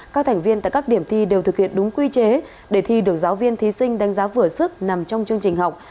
các thành viên tại các điểm thi đều thực hiện đúng quy chế để thi được giáo viên thí sinh đánh giá vừa sức nằm trong chương trình học